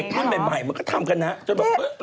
หล่ะเธอเฉินไปใหม่มากก็ทำกันล่ะเฮ้ยรึ